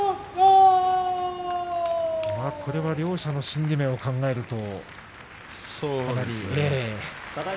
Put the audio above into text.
これは両者の心理面を考えると。